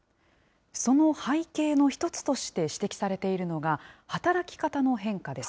その背景の一つとして指摘されているのが、働き方の変化です。